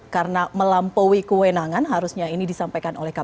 karena melampaui kewenangan harusnya ini disampaikan oleh kpk